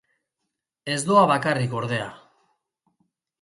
Ez doa bakarrik, ordea.